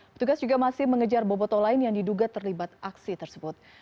petugas juga masih mengejar boboto lain yang diduga terlibat aksi tersebut